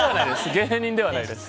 芸人ではないです！